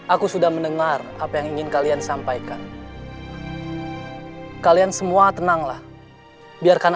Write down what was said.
aku sudah mendengar apa yang ingin kalian sampaikan kalian semua tenanglah biarkan